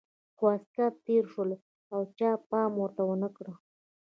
خو عسکر تېر شول او چا پام ورته ونه کړ.